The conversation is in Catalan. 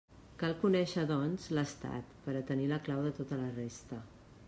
Cal conèixer, doncs, l'estat per a tenir la clau de tota la resta.